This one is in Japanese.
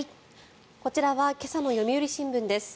こちらは今朝の読売新聞です。